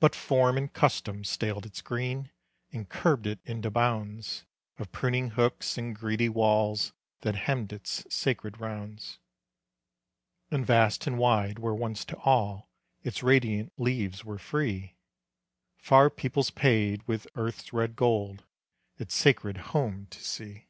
But form and custom staled its green And curbed it into bounds Of pruning hooks and greedy walls That hemmed its sacred rounds. And vast and wide where once to all Its radiant leaves were free, Far peoples paid, with earth's red gold, Its sacred home to see.